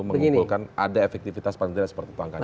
mengumpulkan ada efektivitas pandera seperti tuankanya